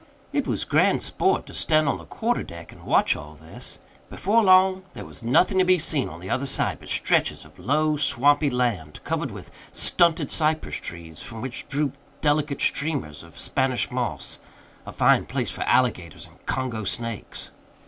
It was grand sport to stand on the quarter deck and watch all this. Before long there was nothing to be seen on other side but stretches of low swampy land, covered with stunted cypress trees, from which drooped delicate streamers of Spanish moss a fine place for alligators and Congo snakes.